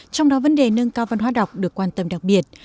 trong đó vấn đề nâng cao văn hóa đọc được quan tâm đặc biệt